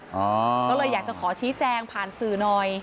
ก็เลยอยากจะขอชี้แจงผ่านสื่อหน่อย